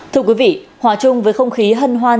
thưa quý vị hòa chung với không khí hân hoan